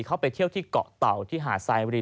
เขาไปเที่ยวที่เกาะเต่าที่หาดไซบุรี